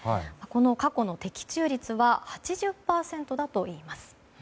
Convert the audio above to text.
過去の的中率は８０％だといいます。